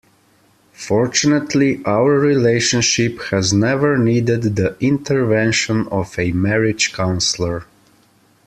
Fortunately, our relationship has never needed the intervention of a Marriage Counsellor.